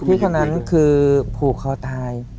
พี่คนนั้นคือผูกเขาตาย